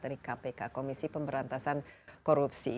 dari kpk komisi pemberantasan korupsi